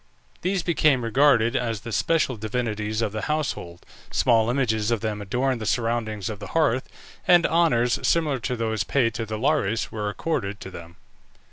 These became regarded as the special divinities of the household, small images of them adorned the surroundings of the hearth, and honours similar to those paid to the Lares were accorded to them.